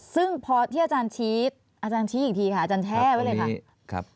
ซึ่งพอที่อาจารย์ชี้อีกทีค่ะอาจารย์แช่ไว้เลยครับ